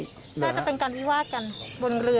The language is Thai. น่าจะเป็นการวิวาดกันบนเรือ